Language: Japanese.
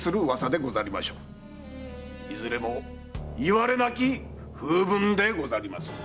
〔いずれもいわれなき風聞でござります〕